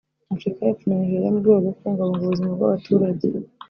Afrika y’Epfo na Nigeria mu rwego rwo kubungabunga ubuzima bw’abaturage